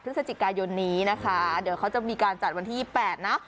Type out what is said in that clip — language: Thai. พฤศจิกายนนี้นะคะเดี๋ยวเขาจะมีการจัดวันที่๒๘นะ